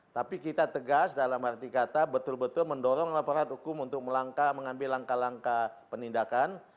tapi kita tegas dalam arti kata betul betul mendorong laporan hukum untuk mengambil langkah langkah penindakan